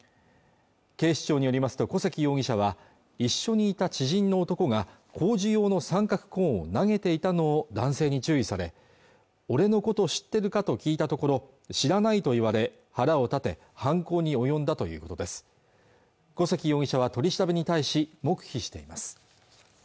警視庁によりますと古関容疑者は一緒にいた知人の男が工事用の三角コーンを投げていのを男性に注意され俺のことを知ってるかと聞いたところ知らないと言われ腹を立て犯行に及んだということです小関容疑者は取り調べに対し黙秘しています